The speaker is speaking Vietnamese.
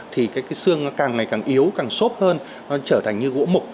thì xương càng ngày càng yếu càng sốt hơn trở thành như gỗ mục